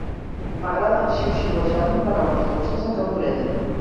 M'agrada xiuxiuejar-li paraules dolces a cau d'orella.